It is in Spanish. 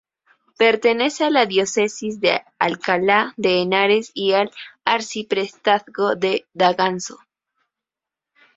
Pertenece a la diócesis de Alcalá de Henares y al arciprestazgo de Daganzo.